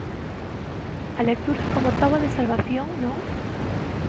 A lectura como táboa de salvación, non?